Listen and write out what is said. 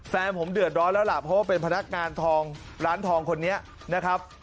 แฟนผมเดือดร้อนแล้วล่ะเพราะว่าเป็นพนักงานทองร้านทองคนนี้นะครับ